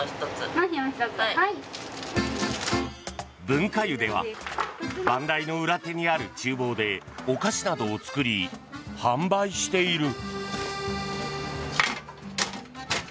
文化湯では番台の裏手にある厨房でお菓子などを作り販売している。